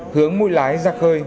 hướng mũi lái ra khơi